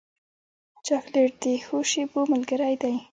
چاکلېټ د ښو شېبو ملګری دی.